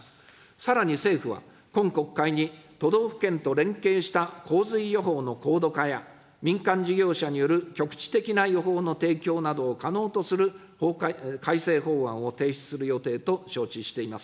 さらに政府は、今国会に都道府県と連携した洪水予報の高度化や、民間事業者による局地的な予報の提供などを可能とする改正法案を提出する予定と承知しています。